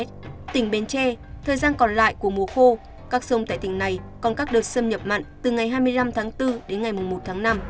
tỉnh bến tre thời gian còn lại của mùa khô các sông tại tỉnh này còn các đợt xâm nhập mặn từ ngày hai mươi năm tháng bốn đến ngày một tháng năm